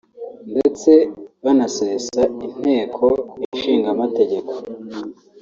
ndetse banasesa Inteko Ishinga Amategeko